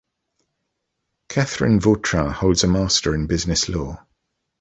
Catherine Vautrin holds a master in business law.